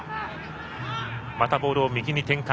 またボールを右に展開。